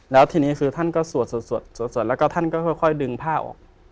แล้วทีนี้คือท่านก็สวดแล้วก็ท่านก็ค่อยดึงผ้าออก